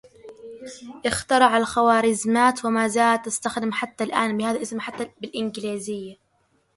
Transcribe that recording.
إخترع الخواريزميات ومازالت تستخدم حتى الأن بهذا الإسم حتى بالانجليزية